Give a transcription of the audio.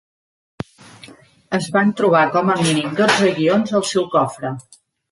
Es van trobar com a mínim dotze guions al seu cofre.